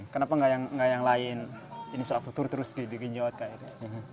kenapa nggak yang lain ini misalnya putur turus di genjot kayak gitu